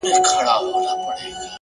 ډك د ميو جام مي د زړه ور مــات كړ،